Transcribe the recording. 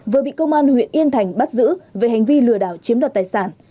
vừa bị công an huyện yên thành bắt giữ về hành vi lừa đảo chiếm đoạt tài sản